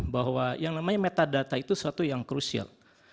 bahwa yang namanya metadata itu suatu yang krusial